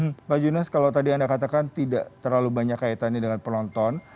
oke pak junas kalau tadi anda katakan tidak terlalu banyak kaitannya dengan penonton